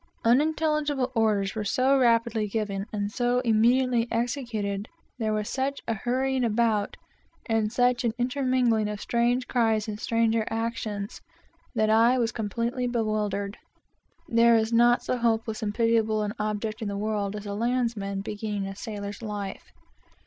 Unintelligible orders were so rapidly given and so immediately executed; there was such a hurrying about, and such an intermingling of strange cries and stranger actions, that I was completely bewildered. There is not so helpless and pitiable an object in the world as a landsman beginning a sailor's life.